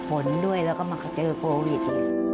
ผลด้วยแล้วก็มาเจอโปรวิต